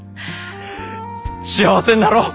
幸せになろう！